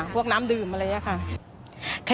พวกน้ำดื่มอะไรอย่างนี้ค่ะ